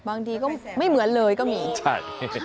บางทีก็ไม่เหมือนเลยก็มีใช่